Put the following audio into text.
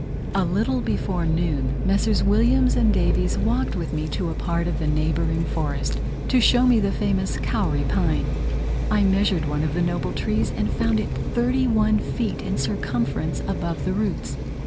A little before noon Messrs. Williams and Davies walked with me to a part of a neighbouring forest, to show me the famous kauri pine. I measured one of the noble trees, and found it thirty one feet in circumference above the roots.